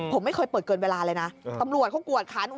ผมไม่เคยเปิดเกินเวลาเลยนะตำรวจเขากวดคัน